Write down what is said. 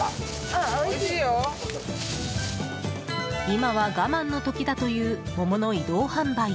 今は我慢の時だという桃の移動販売。